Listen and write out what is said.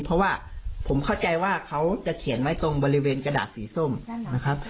เพราะว่าผมเข้าใจว่าเขาจะเขียนไว้ตรงบริเวณกระดาษสีส้มนะครับ